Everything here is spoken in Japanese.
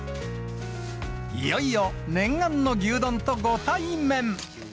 いよいよ念願の牛丼とご対面。